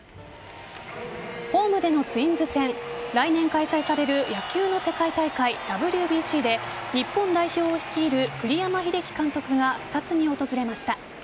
ホームでのツインズ戦来年開催される野球の世界大会ＷＢＣで日本代表を率いる栗山英樹監督が視察に訪れました。